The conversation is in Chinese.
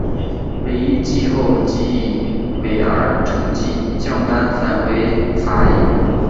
惟一季后即以尾二成绩降班返回法乙。